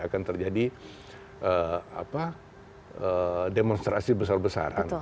akan terjadi demonstrasi besar besaran